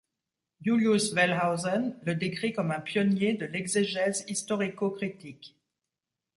Julius Wellhausen le décrit comme un pionnier de l'exégèse historico-critique.